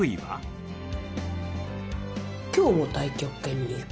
今日も太極拳に行く。